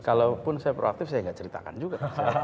kalaupun saya proaktif saya nggak ceritakan juga